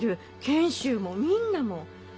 賢秀もみんなも。